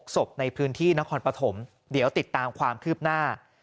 ศพในพื้นที่นครปฐมเดี๋ยวติดตามความคืบหน้า